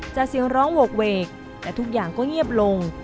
จากเสียงร้องโหกเวกแต่ทุกอย่างก็เงียบลง